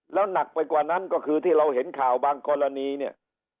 แล้วหนักไปกว่านั้นก็คือที่เราเห็นข่าวบางกรณีเนี่ย